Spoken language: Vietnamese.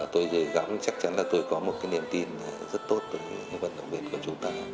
tôi gặp chắc chắn là tôi có một niềm tin rất tốt về những vận động viên của chúng ta